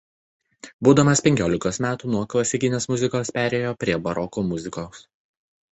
Būdama penkiolikos metų nuo klasikinės muzikos perėjo prie baroko muzikos.